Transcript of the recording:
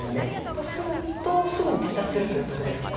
とすると、すぐに撤退するということですか。